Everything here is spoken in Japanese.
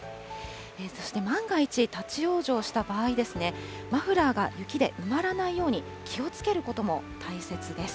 そして万が一、立往生した場合ですね、マフラーが雪で埋まらないように気をつけることも大切です。